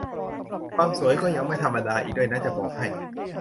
ความสวยก็ยังไม่ธรรมดาอีกด้วยนะจะบอกให้